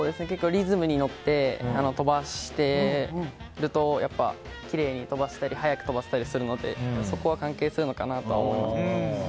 リズムに乗って飛ばしてるとやっぱり、きれいに飛ばしたり速く飛ばせたりするのでそこは関係するのかなと思います。